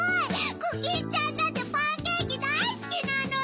コキンちゃんだってパンケーキだいスキなのに！